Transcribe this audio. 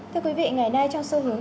thưa quý vị ngày nay trong sâu hướng